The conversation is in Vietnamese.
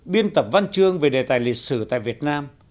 biên tập văn chương về đề tài lịch sử tại việt nam